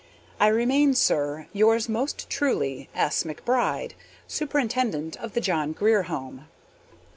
I remain, sir, Yours most truly, S. McBRIDE, Superintendent of the John Grier Home.